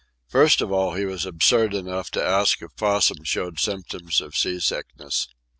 First of all he was absurd enough to ask if Possum showed symptoms of sea sickness.